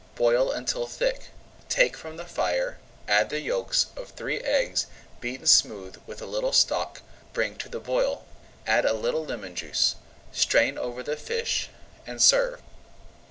Boil until thick, take from the fire, add the yolks of three eggs beaten smooth with a little stock, bring to the boil, add a little lemon juice, strain over the fish, and serve.